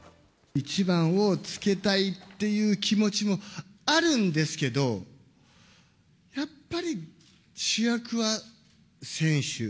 １番をつけたいっていう気持ちもあるんですけど、やっぱり主役は選手。